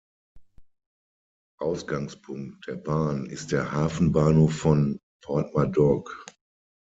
Ausgangspunkt der Bahn ist der Hafenbahnhof von Porthmadog.